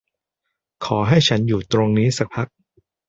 ขอให้ฉันอยู่ตรงนี้สักพัก